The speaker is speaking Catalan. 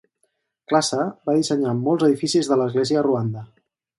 Classe va dissenyar molts edificis de l'església a Ruanda.